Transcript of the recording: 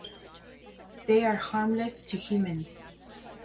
They are harmless to humans.